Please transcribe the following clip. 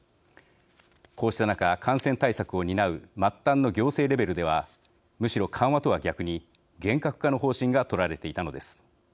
こうした中、感染対策を担う末端の行政レベルではむしろ緩和とは逆に厳格化の方針が取られていたのです。